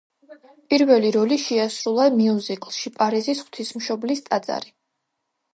პირველი როლი შეასრულა მიუზიკლში პარიზის ღვთისმშობლის ტაძარი.